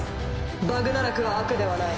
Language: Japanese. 「バグナラクは悪ではない。